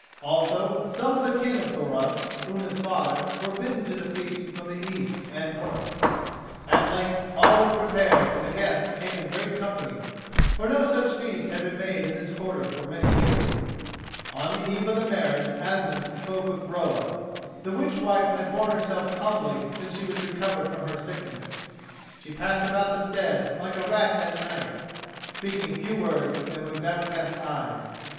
Also some of the kin of Thorod, Unna's father, were bidden to the feast from the east and north. At length all was prepared and the guests came in great companies, for no such feast had been made in this quarter for many years. On the eve of the marriage Asmund spoke with Groa. The witch wife had borne herself humbly since she was recovered from her sickness. She passed about the stead like a rat at night, speaking few words and with downcast eyes.